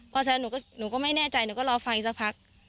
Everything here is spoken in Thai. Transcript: เพราะฉะนั้นหนูก็ไม่แน่ใจหนูก็รอฟังสักพัก